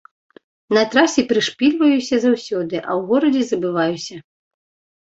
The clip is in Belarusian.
На трасе прышпільваюся заўсёды, а ў горадзе забываюся.